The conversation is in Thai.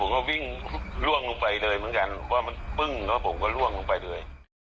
ก็วิ่งล่วงลงไปเลยเหมือนกันว่ามันปึ้งแล้วผมก็ล่วงลงไปเลย